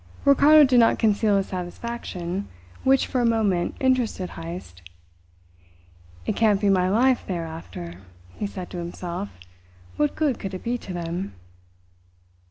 Ricardo did not conceal his satisfaction, which for a moment interested Heyst. "It can't be my life they are after," he said to himself. "What good could it be to them?"